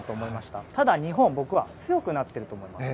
ただ、日本は強くなっていると思います。